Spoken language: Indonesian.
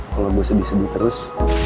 kalo gue sedih sedih terus